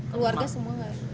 keluarga semua nggak